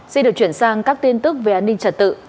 xin được chuyển sang các tin tức về an ninh trật tự